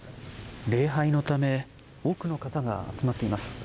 礼拝のため、多くの方が集まっています。